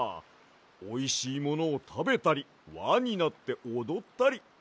おいしいものをたべたりわになっておどったり。